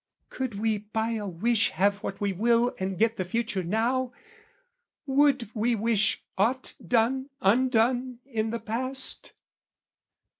Could we by a wish Have what we will and get the future now, Would we wish ought done undone in the past?